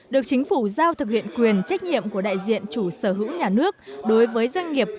được chính phủ giao thực hiện quyền trách nhiệm của đại diện chủ sở hữu nhà nước đối với doanh nghiệp